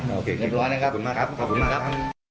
โอเคเรียบร้อยนะครับขอบคุณมากครับขอบคุณมากครับ